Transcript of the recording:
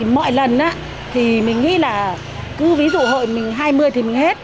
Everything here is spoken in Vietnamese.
mọi lần thì mình nghĩ là cứ ví dụ hội mình hai mươi thì mình hết